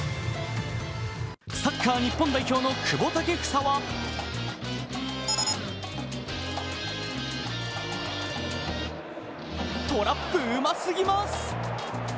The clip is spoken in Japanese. サッカー日本代表の久保建英はトラップうますぎます。